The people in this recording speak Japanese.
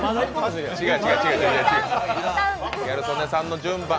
違う違う、ギャル曽根さんの順番。